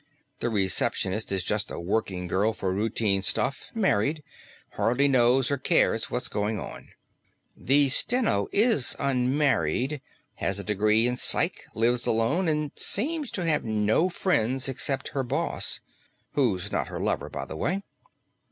"The receptionist is just a working girl for routine stuff, married, hardly knows or cares what's going on. The steno is unmarried, has a degree in psych, lives alone, and seems to have no friends except her boss. Who's not her lover, by the way."